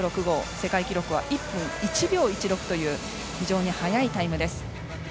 世界記録は１分１秒１６という非常に速いタイムです。